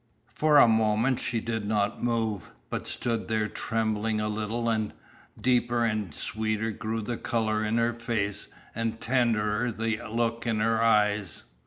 For a moment she did not move, but stood there trembling a little, and deeper and sweeter grew the colour in her face, and tenderer the look in her eyes.